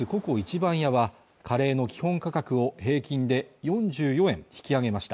番屋はカレーの基本価格を平均で４４円引き上げました